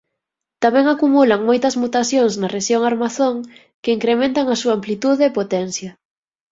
Tamén acumulan moitas mutacións na rexión armazón que incrementan a súa amplitude e potencia.